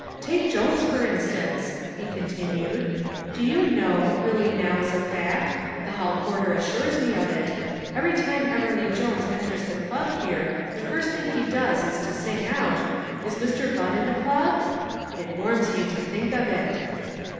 "Take Jones for instance," he continued "do you know, really now as a fact, the hall porter assures me of it, every time Everleigh Jones enters the club here the first thing he does is to sing out, 'Is Mr. Butt in the club?' It warms me to think of it."